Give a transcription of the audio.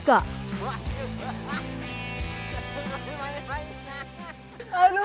sekilas sih seperti gampang ya